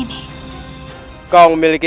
kau memiliki kekuatan yang baik